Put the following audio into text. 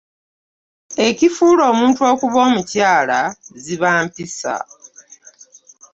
Ekifuula omuntu okuba omukyala ziba mpisa.